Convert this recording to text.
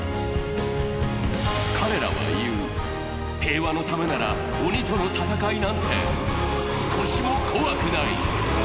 彼らは言う、平和のためなら鬼との戦いなんて少しも怖くない。